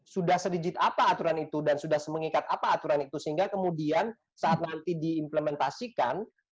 sudah sedigit apa aturan itu dan sudah semikat apa aturan itu sehingga kemudian saat nanti diimplementasikan